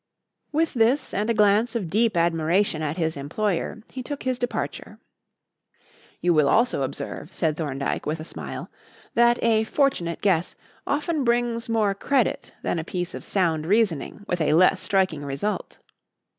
With this and a glance of deep admiration at his employer, he took his departure. "You will also observe," said Thorndyke, with a smile, "that a fortunate guess often brings more credit than a piece of sound reasoning with a less striking result."